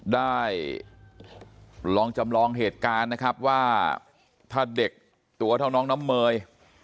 ได้ลองจำลองเหตุการณ์นะครับว่าถ้าเด็กตัวเท่าน้องน้ำเมย